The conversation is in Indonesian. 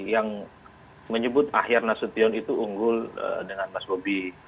yang menyebut ahyar nasution itu unggul dengan mas bobi